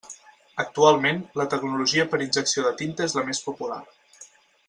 Actualment, la tecnologia per injecció de tinta és la més popular.